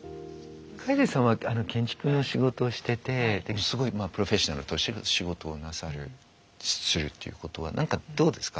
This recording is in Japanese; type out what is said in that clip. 楓さんは建築の仕事をしててすごいプロフェッショナルとして仕事をなさるするっていうことは何かどうですか？